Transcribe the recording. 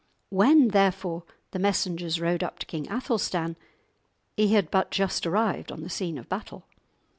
When, therefore, the messengers rode up to King Athelstan, he had but just arrived on the scene of battle.